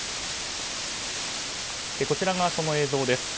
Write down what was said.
こちらが、その映像です。